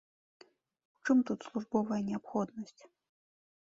У чым тут службовая неабходнасць?